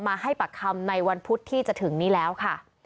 ให้ปากคำในวันพุธที่จะถึงนี้แล้วค่ะ